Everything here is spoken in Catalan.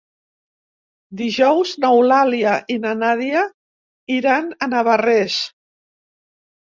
Dijous n'Eulàlia i na Nàdia iran a Navarrés.